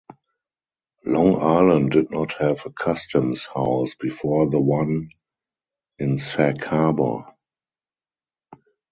Long Island did not have a customs house before the one in Sag Harbor.